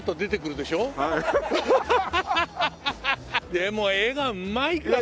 でも絵がうまいから！